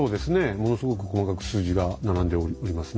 ものすごく細かく数字が並んでおりますね。